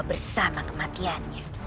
rahasia itu akan terbawa